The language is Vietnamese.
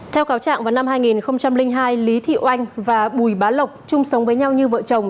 theo cáo trạng vào năm hai nghìn hai lý thị oanh và bùi bá lộc chung sống với nhau như vợ chồng